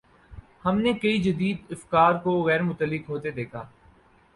ہم نے کئی جدید افکار کو غیر متعلق ہوتے دیکھا ہے۔